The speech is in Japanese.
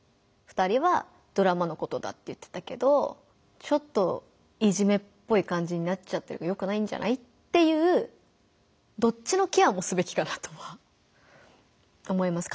「２人はドラマのことだって言ってたけどちょっといじめっぽい感じになっちゃってるからよくないんじゃない？」っていうどっちのケアもすべきかなとは思います。